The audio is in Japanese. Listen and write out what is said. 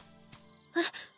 えっ。